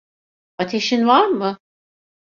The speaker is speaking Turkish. Ateşin var mı?